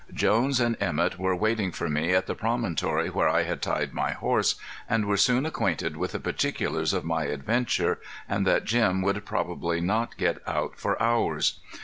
Jones and Emett were waiting for me at the promontory where I had tied my horse, and were soon acquainted with the particulars of my adventure, and that Jim would probably not get out for hours.